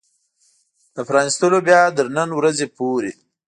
له پرانيستلو بيا تر نن ورځې پورې